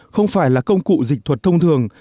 không phải là công cụ dịch thuật thông thường